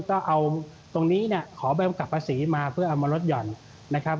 ต้องเอาตรงนี้เนี่ยขอใบกำกับภาษีมาเพื่อเอามาลดหย่อนนะครับ